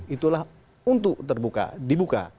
itulah untuk terbuka dibuka